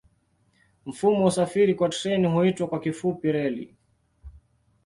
Mfumo wa usafiri kwa treni huitwa kwa kifupi reli.